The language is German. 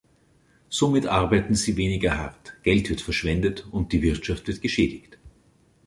Somit arbeiten sie weniger hart, Geld wird verschwendet und die Wirtschaft wird geschädigt.